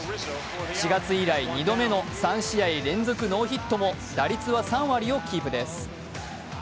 ４月以来２度目の３試合連続ノーヒットも打率は３割をキープです。